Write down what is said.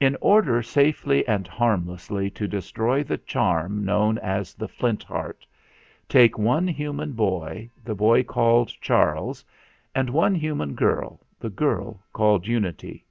"In order safely and harmlessly to destroy the charm known as the Flint Heart, take one human boy the boy called Charles and one human girl the girl called Unity.